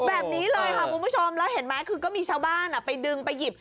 แบบนี้เลยค่ะคุณผู้ชมแล้วเห็นไหมคือก็มีชาวบ้านไปดึงไปหยิบ